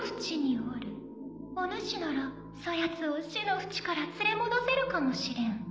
おぬしならそやつを死の淵から連れ戻せるかもしれん。